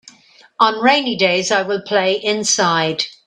On rainy days I will play inside.